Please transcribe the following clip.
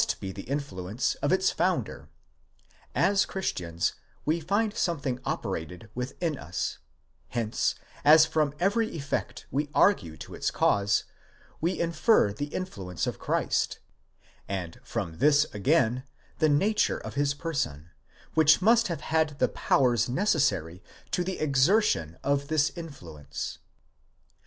be the influence of its founder. As Christians, we find something operated within us; hence, as from every effect we argue to its cause, we infer the influence of Christ, and from this again, the nature of his person, which must have had the powers necessary to the exertion of this influence.